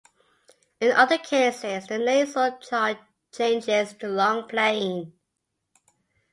In other cases, the nasal changes to long plain.